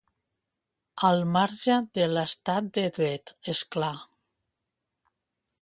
Al marge de l’estat de dret, és clar.